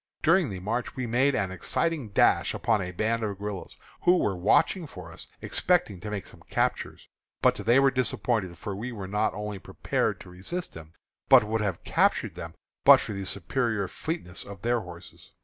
During the march we made an exciting dash upon a band of guerillas, who were watching for us, expecting to make some captures. But they were disappointed, for we were not only prepared to resist them, but would have captured them but for the superior fleetness of their horses.